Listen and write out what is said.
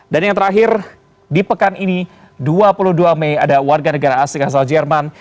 dan yang terakhir di pekan ini dua puluh dua mei ada warga negara asli kasal jerman